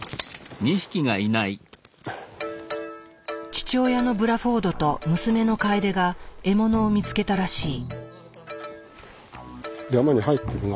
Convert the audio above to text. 父親のブラフォードと娘のカエデが獲物を見つけたらしい。